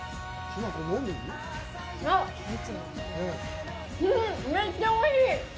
わっ、めっちゃおいしい！